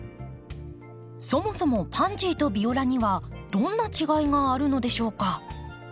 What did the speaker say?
そもそもパンジーとビオラにはどんな違いがあるのでしょうか？